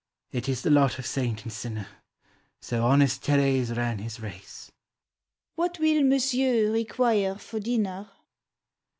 "It is the lot of saint and sinner. So honest Terra's ran his race!" " What will Monsieur require for dinner?